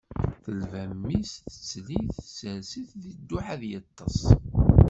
Telba mmi-s, tettel-it, tsers-it deg dduḥ ad yeṭṭes.